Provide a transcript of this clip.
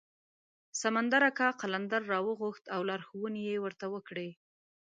سمندر اکا قلندر راوغوښت او لارښوونې یې ورته وکړې.